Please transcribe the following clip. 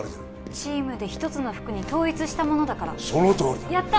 チームで一つの服に統一したものだからそのとおりだやった！